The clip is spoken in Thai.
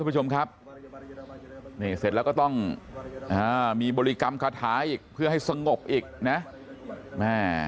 เพราะว่าแหม